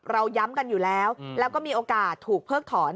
ย้ำกันอยู่แล้วแล้วก็มีโอกาสถูกเพิกถอน